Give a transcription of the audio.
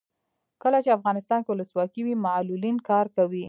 کله چې افغانستان کې ولسواکي وي معلولین کار کوي.